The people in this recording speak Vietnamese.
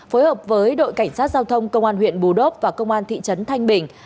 phối hợp với đội cảnh sát giao thông công an huyện bù đốp và công an thị trấn thanh bình